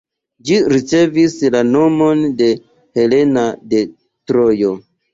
Ĝi ricevis la nomon de Helena de Trojo.